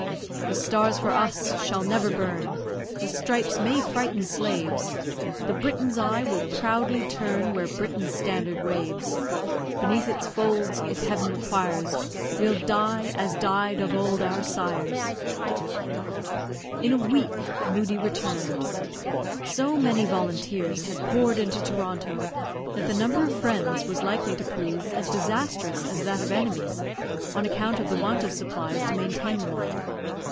The stars for us shall never burn, The stripes may frighten slaves, The Briton's eye will proudly turn Where Britain's standard waves. Beneath its folds, if Heaven requires, We'll die, as died of old our sires! In a week, Moodie returned. So many volunteers had poured into Toronto that the number of friends was likely to prove as disastrous as that of enemies, on account of the want of supplies to maintain them all.